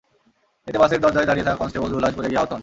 এতে বাসের দরজায় দাঁড়িয়ে থাকা কনস্টেবল জুলহাস পড়ে গিয়ে আহত হন।